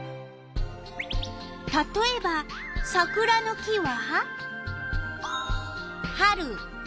たとえばサクラの木は？